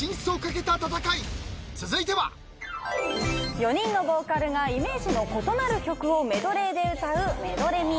４人のボーカルがイメージの異なる曲をメドレーで歌うめどれみ。